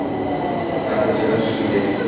ta’sirchanroq chiqsin, deb